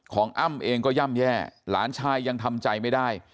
อ้ำเองก็ย่ำแย่หลานชายยังทำใจไม่ได้